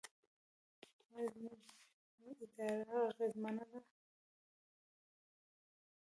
آیا زموږ اداره اغیزمنه ده؟